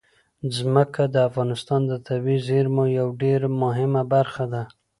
ځمکه د افغانستان د طبیعي زیرمو یوه ډېره مهمه برخه ده.